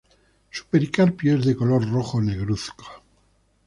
Su pericarpio es de color rojo negruzco.